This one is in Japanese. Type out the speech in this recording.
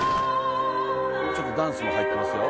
ちょっとダンスも入ってますよ。